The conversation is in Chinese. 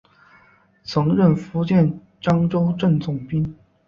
曾任福建漳州镇总兵。